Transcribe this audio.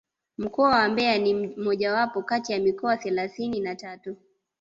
Mkoa wa mbeya ni mojawapo kati ya mikoa thelathini na tatu